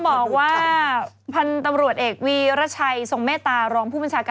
หนูกลัวคนกลัวไม่ได้ที่หนึ่งนะสิค่ะ